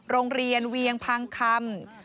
โรงเรียนเวียงพังคำ